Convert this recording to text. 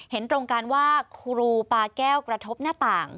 เห็นตรงกันว่าครูปาแก้วกระทบหน้าต่าง